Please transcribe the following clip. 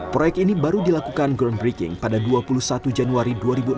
proyek ini baru dilakukan groundbreaking pada dua puluh satu januari dua ribu enam belas